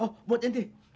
oh buat inti